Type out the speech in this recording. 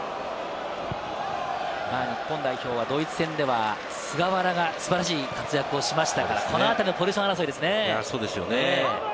日本代表はドイツ戦では菅原が素晴らしい活躍をしましたから、このあたりのポジション争いですよね。